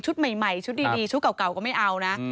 ใหม่ชุดดีชุดเก่าก็ไม่เอานะ